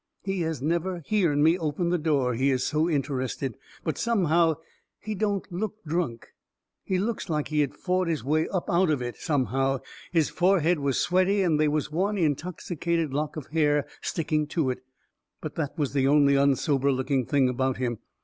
He has never hearn me open the door, he is so interested. But somehow, he don't look drunk. He looks like he had fought his way up out of it, somehow his forehead was sweaty, and they was one intoxicated lock of hair sticking to it; but that was the only un sober looking thing about him.